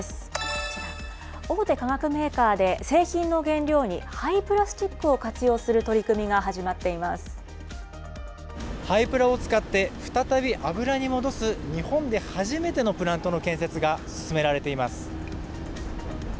こちら、大手化学メーカーで製品の原料に廃プラスチックを活用す廃プラを使って、再び油に戻す日本で初めてのプラントの建設が進められています。